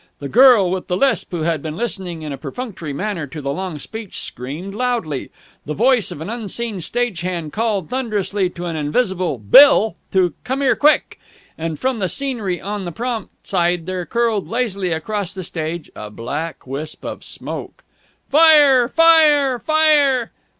The girl with the lisp, who had been listening in a perfunctory manner to the long speech, screamed loudly. The voice of an unseen stage hand called thunderously to an invisible "Bill" to commere quick. And from the scenery on the prompt side there curled lazily across the stage a black wisp of smoke. "Fire! Fire! Fire!"